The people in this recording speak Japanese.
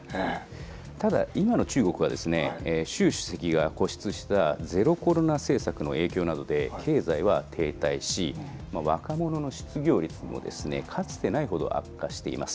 ただ、今の中国は、習主席が固執したゼロコロナ政策の影響などで経済は停滞し、若者の失業率もかつてないほど悪化しています。